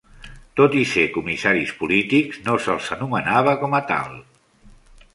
Tot i ser comissaris polítics, no se'ls anomenava com a tal.